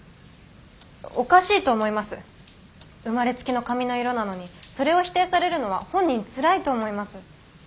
生まれつきの髪の色なのにそれを否定されるのは本人つらいと思います。